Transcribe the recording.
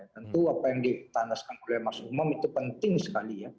tentu apa yang ditandaskan oleh mas umam itu penting sekali ya